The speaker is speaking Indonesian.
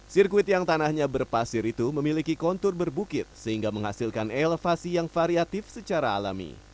sirkuit yang tanahnya berpasir itu memiliki kontur berbukit sehingga menghasilkan elevasi yang variatif secara alami